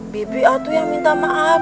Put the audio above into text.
bibit atuh yang minta maaf